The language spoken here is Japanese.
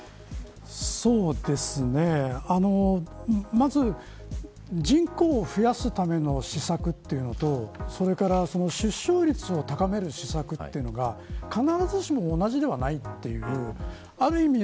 そうですね、まずは人口増やすための施策というのと出生率を高める施策というのが必ずしも同じではないという。